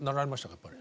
やっぱり。